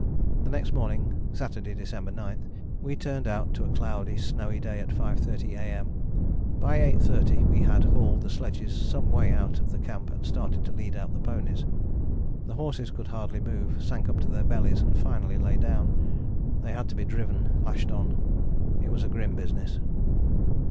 The next morning (Saturday, December 9) we turned out to a cloudy snowy day at 5.30 A.M. By 8.30 we had hauled the sledges some way out of the camp and started to lead out the ponies. "The horses could hardly move, sank up to their bellies, and finally lay down. They had to be driven, lashed on. It was a grim business."